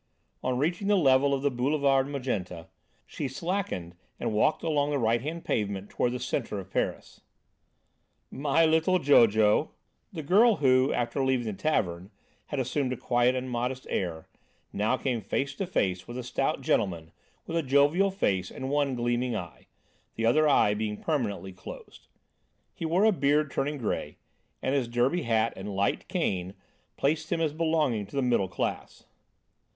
On reaching the level of the Boulevard Magenta, she slackened and walked along the right hand pavement toward the centre of Paris. "My little Jojo!" The girl who, after leaving the tavern, had assumed a quiet and modest air, now came face to face with a stout gentleman with a jovial face and one gleaming eye, the other eye being permanently closed. He wore a beard turning grey and his derby hat and light cane placed him as belonging to the middle class.